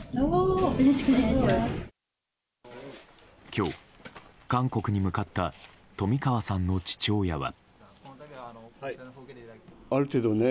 今日、韓国に向かった冨川さんの父親は。